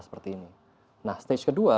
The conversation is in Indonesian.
seperti ini nah stage kedua